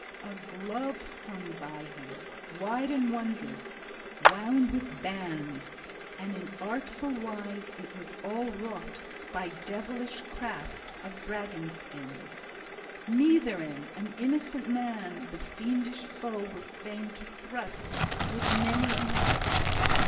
A glove hung by him {28f} wide and wondrous, wound with bands; and in artful wise it all was wrought, by devilish craft, of dragon skins. Me therein, an innocent man, the fiendish foe was fain to thrust with many another.